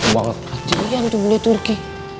wah kejadian tuh gue turki